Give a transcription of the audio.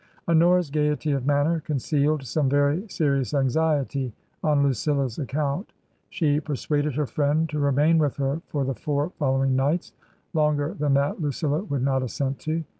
Honora's gaiety of manner concealed some very serious anxiety on Lucilla's account. She persuaded her friend to remain with her for the four following nights — ^longer than that Lucilla would not assent to.